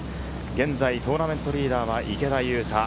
現在、トーナメントリーダーは池田勇太。